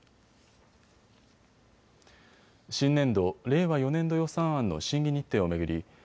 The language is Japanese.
新年度、令和４年度予算案の審議日程を巡り